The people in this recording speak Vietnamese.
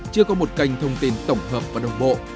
chưa có một kênh thông tin tổng hợp và đồng bộ